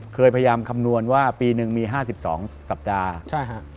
เคยพยายามคำนวณว่าปีนึงมี๕๒สัปดาห์